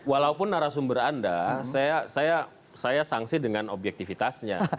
walaupun narasumber anda saya sangsi dengan objektifitasnya